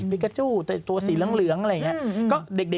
กาจู้ตัวสีเหลืองอะไรอย่างนี้